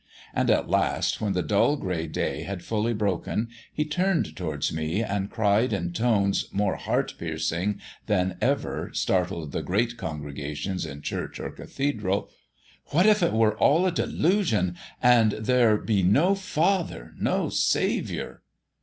And at last, when the dull grey day had fully broken, he turned towards me, and cried in tones more heart piercing than ever startled the great congregations in church or cathedral "What if it were all a delusion, and there be no Father, no Saviour?"